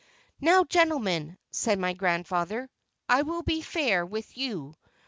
"Now, gentlemen," said my grandfather, "I will be fair with you.